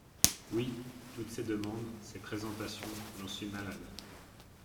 Oui, toutes ces demandes, ces présentations… j’en suis malade !…